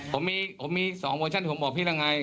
ผมมี๒โวชั่นผมบอกพี่นะไง